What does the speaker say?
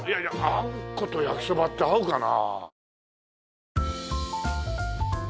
あんこと焼きそばって合うかな？